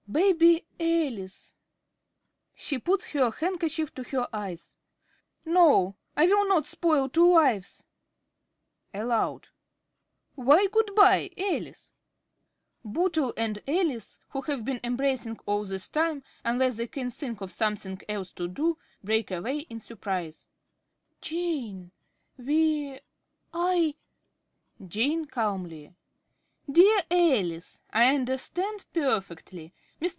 Baby Alice! (She puts her handkerchief to her eyes.) No! I will not spoil two lives! (Aloud.) Why good bye, Alice? (Bootle and Alice, who have been embracing all this time, unless they can think of something else to do, break away in surprise.) ~Alice.~ Jane we I ~Jane~ (calmly). Dear Alice! I understand perfectly. Mr.